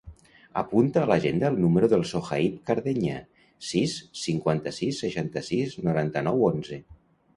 Apunta a l'agenda el número del Sohaib Cardeña: sis, cinquanta-sis, seixanta-sis, noranta-nou, onze.